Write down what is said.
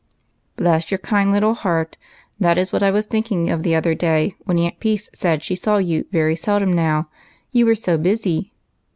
Bless your kind little heart, that is what I was thinking of the other day when Aunt Peace said she saw you very seldom now, you were so busy.